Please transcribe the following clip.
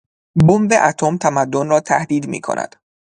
بمب اتم تمدن را تهدید میکند.